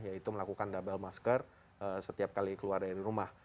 yaitu melakukan double masker setiap kali keluar dari rumah